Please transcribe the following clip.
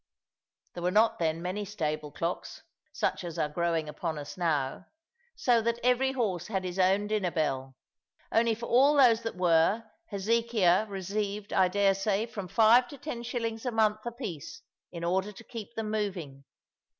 There were not then many stable clocks, such as are growing upon us now, so that every horse has his own dinner bell; only for all those that were, Hezekiah received, I daresay, from five to ten shillings a month apiece in order to keep them moving.